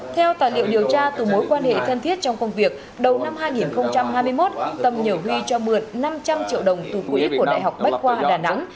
theo tài liệu điều tra từ mối quan hệ thân thiết trong công việc đầu năm hai nghìn hai mươi một tâm nhờ huy cho mượn năm trăm linh triệu đồng từ quỹ của đại học bách khoa đà nẵng